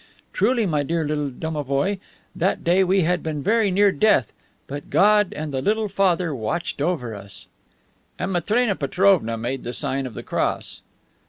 Truly, my dear little domovoi, that day we had been very near death, but God and the Little Father watched over us." And Matrena Petrovna made the sign of the cross.